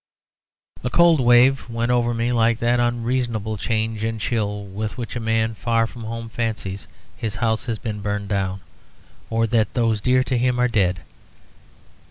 A cold wave went over me, like that unreasonable change and chill with which a man far from home fancies his house has been burned down, or that those dear to him are dead.